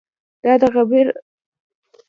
دا د غریبو په حق کې لوی ظلم دی.